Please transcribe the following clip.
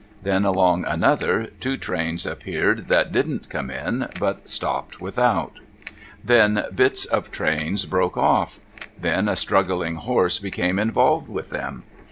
Then, along another two trains appeared that didn't come in, but stopped without. Then, bits of trains broke off. Then, a struggling horse became involved with them.